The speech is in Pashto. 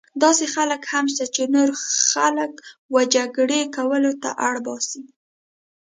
داسې خلک هم شته چې نور خلک وه جګړې کولو ته اړ باسي.